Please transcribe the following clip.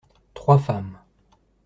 Trois femmes.